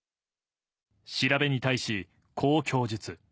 調べに対し、こう供述。